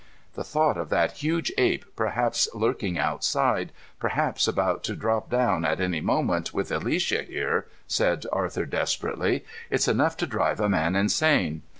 "The thought of that huge ape perhaps lurking outside, perhaps about to drop down at any moment, with Alicia here," said Arthur desperately, "it's enough to drive a man insane.